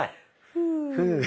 ふう。